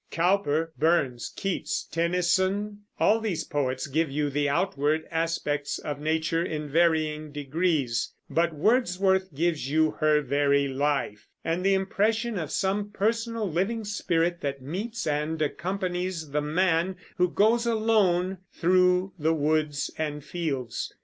Cowper, Burns, Keats, Tennyson, all these poets give you the outward aspects of nature in varying degrees; but Wordsworth gives you her very life, and the impression of some personal living spirit that meets and accompanies the man who goes alone through the woods and fields.